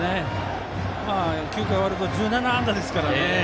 ９回終わると１７安打ですからね